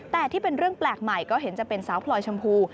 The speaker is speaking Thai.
แต่ที่เป็นเรื่องแปลกใหม่ก็เห็นจะเป็นสาวพลอยชมพู